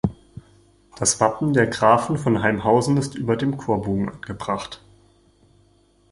Das Wappen der Grafen von Haimhausen ist über dem Chorbogen angebracht.